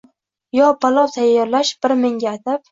Yo palov tayyorlash, bir menga atab.